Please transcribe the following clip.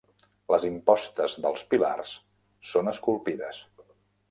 Les impostes dels pilars són esculpides.